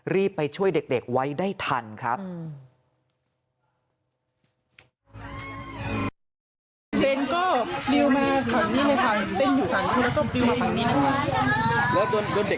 รีบไปช่วยเด็กไว้ได้ทันครับ